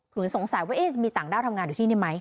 เหมือนสงสัยว่าจะมีต่างด้าวทำงานอยู่ที่นี่ไหม